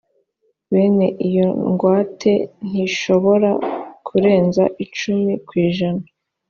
bene iyo ngwate ntishobora kurenza icumi ku ijana